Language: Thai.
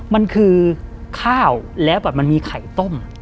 มันคือข้าวแล้วแบบมันมีไข่ต้ม